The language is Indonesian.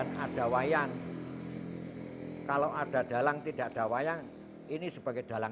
tapi yang lebih abbang bisa menjadi topeng